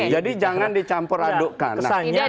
jadi jangan dicampur adukkan